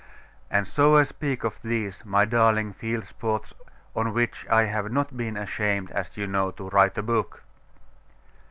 And so I speak of these, my darling field sports, on which I have not been ashamed, as you know, to write a book.